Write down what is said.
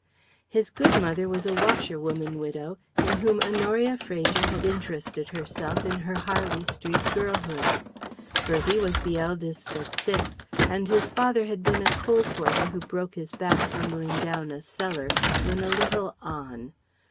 His good mother was a washerwoman widow, in whom Honoria Fraser had interested herself in her Harley Street girlhood. Bertie was the eldest of six, and his father had been a coal porter who broke his back tumbling down a cellar when a little "on."